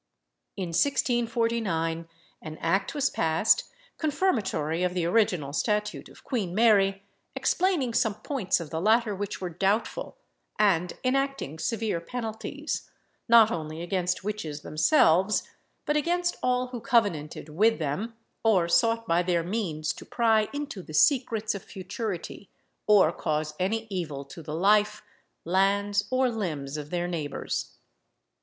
In 1649, an act was passed, confirmatory of the original statute of Queen Mary, explaining some points of the latter which were doubtful, and enacting severe penalties, not only against witches themselves, but against all who covenanted with them, or sought by their means to pry into the secrets of futurity, or cause any evil to the life, lands, or limbs of their neighbours.